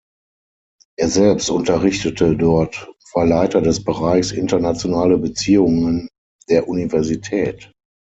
Er selbst unterrichtete dort und war Leiter des Bereichs Internationale Beziehungen der Universität.